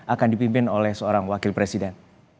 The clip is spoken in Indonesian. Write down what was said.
akan dipimpin oleh seorang wakil presiden